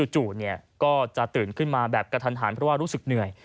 จู่ก็จะตื่นขึ้นมาแบบกระทันหันเพราะว่ารู้สึกเหนื่อย